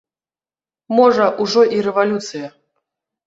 Можа, ужо і рэвалюцыя.